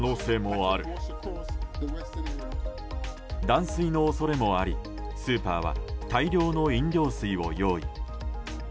断水の恐れもありスーパーは大量の飲料水を用意。